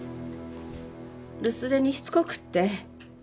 留守電にしつこくって。